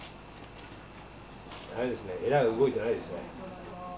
だめですね、えらが動いてないですね。